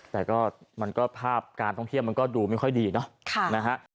แต่ก็มันก็ภาพการท่องเที่ยวมันก็ดูไม่ค่อยดีเนาะนะฮะ